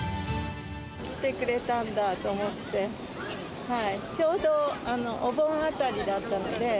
来てくれたんだと思って、ちょうどお盆あたりだったので。